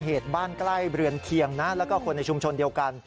เหตุบ้านใกล้เรือนเคียงนะแล้วก็คนในชุมชนเดียวกัน